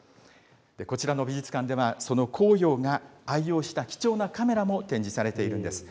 こちらの美術館では、その紅陽が愛用した貴重なカメラも展示されているんです。